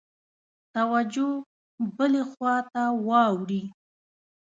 توجه بلي خواته واوړي.